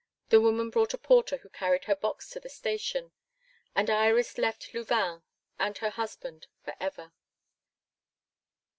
The woman brought a porter who carried her box to the station; and Iris left Louvain and her husband for ever.